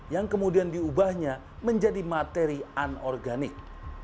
yang kemudian diubahnya menjadi materi anorganik